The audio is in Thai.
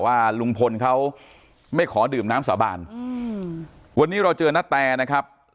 ว่าลุงพลเขาไม่ขอดื่มน้ำสาบานวันนี้เราเจอนาแตนะครับ